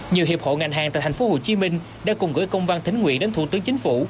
nhiều hiệp hộ ngành hàng tại thành phố hồ chí minh đã cùng gửi công văn thính nguyện đến thủ tướng chính phủ